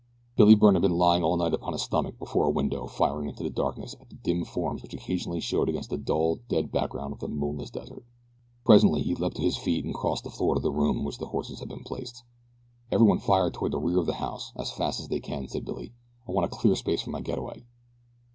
Billy Byrne had been lying all night upon his stomach before a window firing out into the darkness at the dim forms which occasionally showed against the dull, dead background of the moonless desert. Presently he leaped to his feet and crossed the floor to the room in which the horses had been placed. "Everybody fire toward the rear of the house as fast as they can," said Billy. "I want a clear space for my getaway."